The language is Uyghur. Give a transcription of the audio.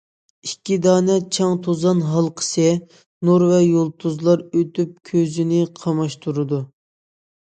ئىككى دانە چاڭ- توزان ھالقىسى، نۇر ۋە يۇلتۇزلار ئۆتۈپ كۆزنى قاماشتۇرىدۇ.